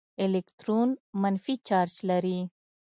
الکترون منفي چارج لري.